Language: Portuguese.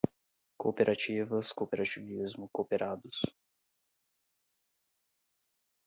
Cooperativas, cooperativismo, cooperados